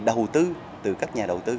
đầu tư từ các nhà đầu tư